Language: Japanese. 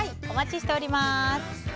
お待ちしております。